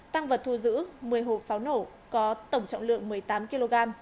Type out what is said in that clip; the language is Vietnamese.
tăng vật thu giữ một mươi hộp pháo nổ có tổng trọng lượng một mươi tám kg